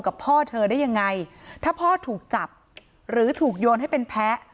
พ่อเธอได้ยังไงถ้าพ่อถูกจับหรือถูกโยนให้เป็นแพ้